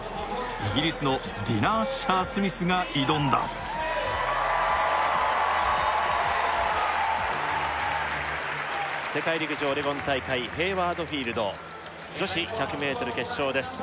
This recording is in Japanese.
イギリスのディナ・アッシャースミスが挑んだ世界陸上オレゴン大会ヘイワード・フィールド女子１００ｍ決勝です